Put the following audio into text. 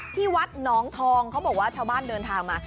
ที่วัดหนองทองเขาบอกว่าชาวบ้านเดินทางมา